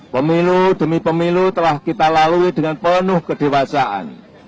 pemilu demi pemilu telah kita lalui dengan penuh kedewasaan